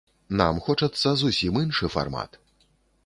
Нам хочацца зусім іншы фармат.